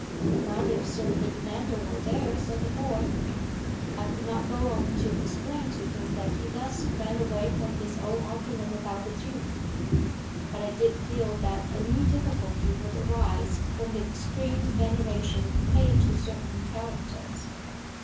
"Not if Sir Ferdinando were there," said the boy. I could not go on to explain to him that he thus ran away from his old argument about the duke. But I did feel that a new difficulty would arise from the extreme veneration paid to certain characters.